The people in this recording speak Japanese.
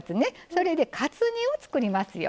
それでカツ煮を作りますよ。